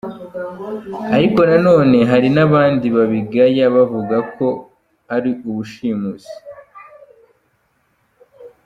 Ariko na none hari n’abandi babigayaga bavuga ko ari ubushimusi.